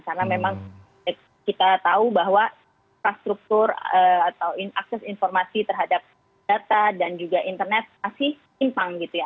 karena memang kita tahu bahwa infrastruktur atau akses informasi terhadap data dan juga internet masih simpang gitu ya